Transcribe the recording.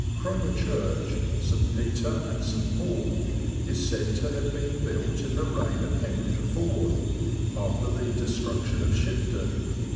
Cromer Church (St. Peter and St. Paul) is said to have been built in the reign of Henry IV., after the destruction of Shipden.